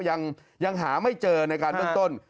ยังหาไม่เจอในการต้น